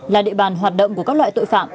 là địa bàn hoạt động của các loại tội phạm